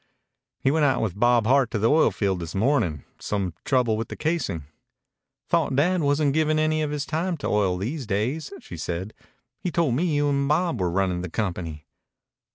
"He went out with Bob Hart to the oil field this morning. Some trouble with the casing." "Thought Dad wasn't giving any of his time to oil these days," she said. "He told me you and Bob were running the company."